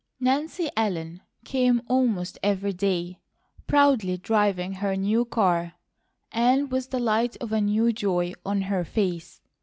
Nancy Ellen came almost every day, proudly driving her new car, and with the light of a new joy on her face.